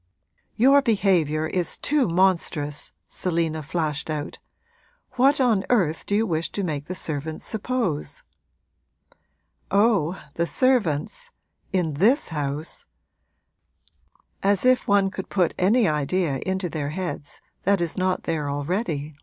'Your behaviour is too monstrous!' Selina flashed out. 'What on earth do you wish to make the servants suppose?' 'Oh, the servants in this house; as if one could put any idea into their heads that is not there already!'